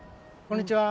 こんにちは。